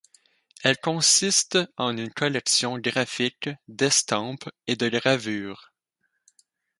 Elle consiste en une collection graphique d'estampes et de gravures.